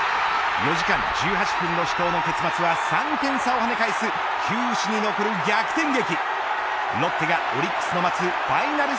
４時間１８分の死闘の結末は３点差を跳ね返す球史に残る逆転劇。